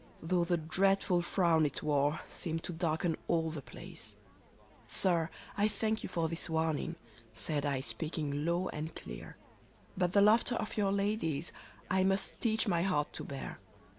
Though the dreadful frown it wore seemed to darken all the place. 152 RENA "' Sir, I thank you for this warning,' said I, speaking low and clear, * But the laughter of your ladies I must teach my heart to bear.